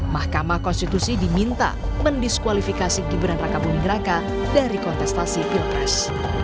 mahkamah konstitusi diminta mendiskualifikasi kibran raka bumingraka dari kontestasi pilpres